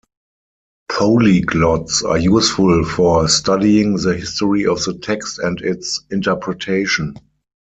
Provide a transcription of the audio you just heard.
Polyglots are useful for studying the history of the text and its interpretation.